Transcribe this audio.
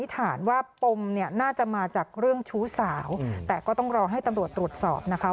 แต่ก็ต้องรอให้ตำรวจตรวจสอบนะคะ